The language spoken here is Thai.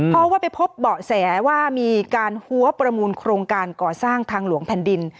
เพราะว่าไปพบเบาะแสว่ามีการหัวประมูลโครงการก่อสร้างทางหลวงแผ่นดิน